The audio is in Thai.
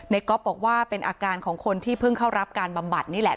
ก๊อฟบอกว่าเป็นอาการของคนที่เพิ่งเข้ารับการบำบัดนี่แหละ